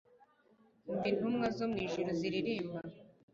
umva intumwazo mwijuru ziririmba